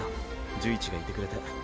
寿一がいてくれて。